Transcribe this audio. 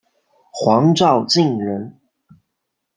黄兆晋人。